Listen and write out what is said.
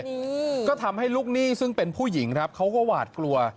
อืมก็ทำให้ลูกหนี้ซึ่งเป็นผู้หญิงครับเขาก็หวาดกลัว